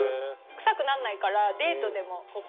臭くなんないからデートでもここ。